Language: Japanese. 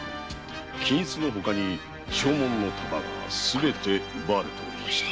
金子のほかに証文の束がすべて奪われておりました。